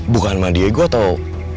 bukan sama dia gue atau